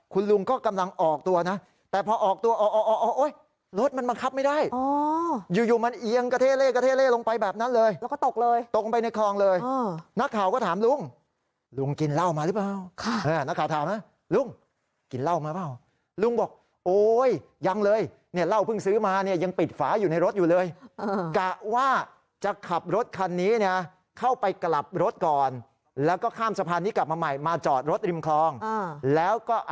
คุณลุงก็กำลังออกตัวนะแต่พอออกตัวโอ๊ยโอ๊ยโอ๊ยโอ๊ยโอ๊ยโอ๊ยโอ๊ยโอ๊ยโอ๊ยโอ๊ยโอ๊ยโอ๊ยโอ๊ยโอ๊ยโอ๊ยโอ๊ยโอ๊ยโอ๊ยโอ๊ยโอ๊ยโอ๊ยโอ๊ยโอ๊ยโอ๊ยโอ๊ยโอ๊ยโอ๊ยโอ๊ยโอ๊ยโอ๊ยโอ๊ยโอ๊ยโอ๊ยโอ๊ยโอ๊ยโอ๊ยโอ๊ยโอ๊ยโ